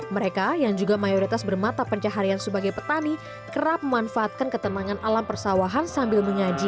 mereka yang juga mayoritas bermata pencaharian sebagai petani kerap memanfaatkan ketenangan alam persawahan sambil menyaji